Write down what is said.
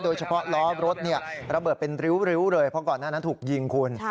โดยเฉพาะล้อรถระเบิดเป็นริ้วเลยเพราะก่อนหน้านั้นถูกยิงคุณ